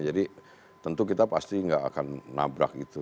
jadi tentu kita pasti tidak akan nabrak gitu